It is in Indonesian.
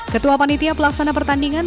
ketua panitia pelaksana pertandingan